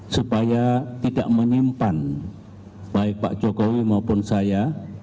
supaya tidak menyimpan baik pak jokowi maupun saya